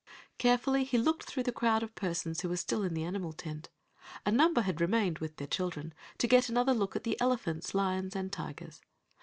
Carefully he looked through the crowd of persons who were still in the animal tent. A number had remained, with their children, to get another look at the elephants, lions and tigers.